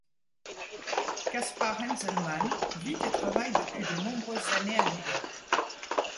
Caspar Henselmann vit et travaille depuis de nombreuses années à New York.